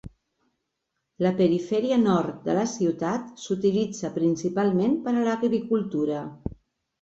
La perifèria nord de la ciutat s'utilitza principalment per a l'agricultura.